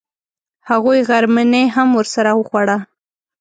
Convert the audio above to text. هغوی غرمنۍ هم سره وخوړه.